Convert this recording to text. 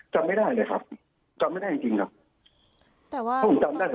จำไม่ได้เลยครับจำไม่ได้จริงครับ